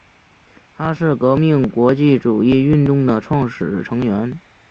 它是革命国际主义运动的创始成员。